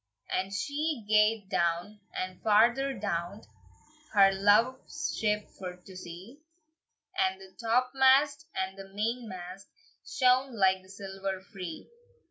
And she gaed down, and farther down, Her love's ship for to see, And the topmast and the mainmast Shone like the silver free.